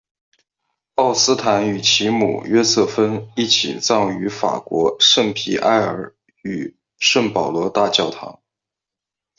奥坦丝与其母约瑟芬一起葬于法国圣皮埃尔与圣保罗大教堂。